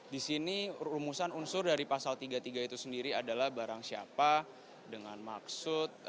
di sini rumusan unsur dari pasal tiga puluh tiga itu sendiri adalah barang siapa dengan maksud